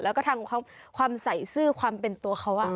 แล้วก็ทางความใส่ซื่อความเป็นตัวเขา